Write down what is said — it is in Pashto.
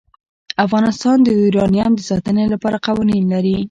افغانستان د یورانیم د ساتنې لپاره قوانین لري.